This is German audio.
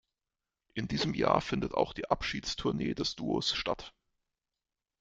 In diesem Jahr findet auch die Abschieds-Tournee des Duos statt.